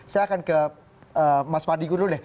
saya akan ke mas mardigu dulu deh